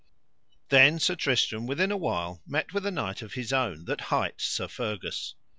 Then Sir Tristram within a while met with a knight of his own, that hight Sir Fergus.